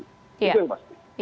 itu yang pasti